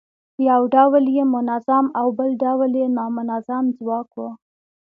یو ډول یې منظم او بل ډول یې نامنظم ځواک و.